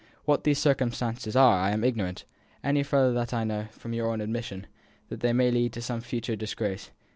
What these circumstances are I am ignorant, any further than that I know from your own admission, that they may lead to some future disgrace.